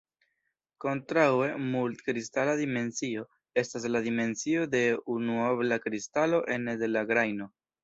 Kontraŭe, "mult-kristala dimensio" estas la dimensio de unuobla kristalo ene de la grajno.